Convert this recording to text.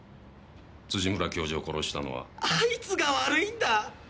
辻村教授を殺したのはあいつが悪いんだ